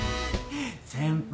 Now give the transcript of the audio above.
先輩